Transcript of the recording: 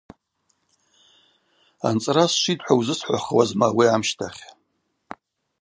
Анцӏра сшвитӏ – хӏва узысхӏвахуазма ауи амщтахь.